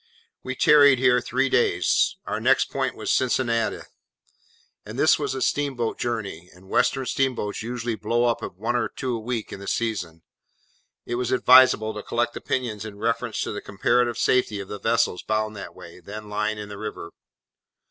We tarried here three days. Our next point was Cincinnati: and as this was a steamboat journey, and western steamboats usually blow up one or two a week in the season, it was advisable to collect opinions in reference to the comparative safety of the vessels bound that way, then lying in the river.